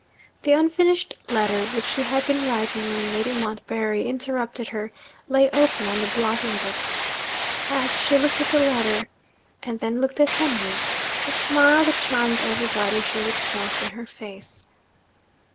The unfinished letter which she had been writing when Lady Montbarry interrupted her, lay open on the blotting book. As she looked at the letter, and then looked at Henry, the smile that charmed everybody showed itself in her face.